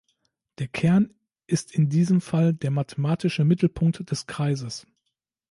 Der Kern ist in diesem Fall der mathematische Mittelpunkt des Kreises.